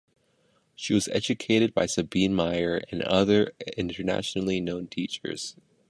She was educated by Sabine Meyer and other internationally known teachers.